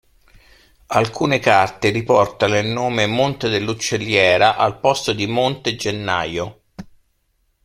Alcune carte riportano il nome Monte dell'Uccelliera al posto di monte Gennaio.